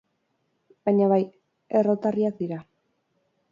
Baina bai, errotarriak dira.